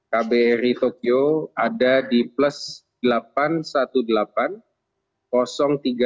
kbrh tokyo ada di plus delapan ratus delapan belas tiga puluh lima